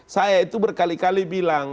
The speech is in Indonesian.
saya itu berkali kali bilang